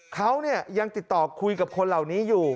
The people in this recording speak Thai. เขายังติดต่อคุยกับคนเหล่านี้อยู่